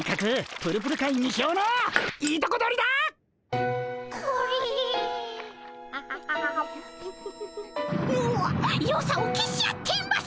のわっよさを消し合っています。